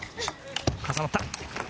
重なった。